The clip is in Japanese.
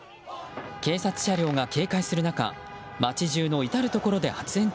警察車両が警戒する中街中の至るところで発煙筒